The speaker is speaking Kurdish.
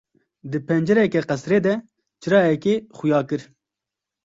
Di pencereke qesirê de çirayekê xuya kir.